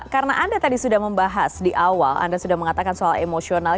karena anda tadi sudah membahas di awal anda sudah mengatakan soal emosional